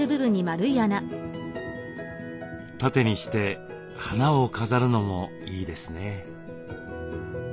縦にして花を飾るのもいいですね。